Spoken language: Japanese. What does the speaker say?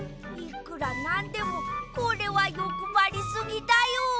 いくらなんでもこれはよくばりすぎだよ。